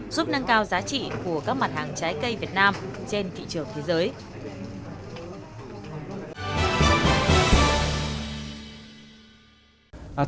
giúp nâng cao giá trị của các mặt hàng trái cây việt nam trên thị trường thế giới